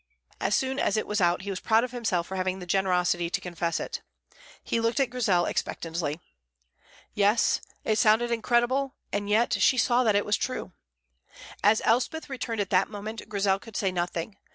As soon as it was out he was proud of himself for having the generosity to confess it. He looked at Grizel expectantly. Yes, it sounded incredible, and yet she saw that it was true. As Elspeth returned at that moment, Grizel could say nothing.